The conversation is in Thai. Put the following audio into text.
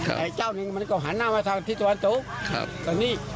ไอ้เจ้าหนึ่งมันก็หันหน้ามาทางที่สวรรค์ตรงนี้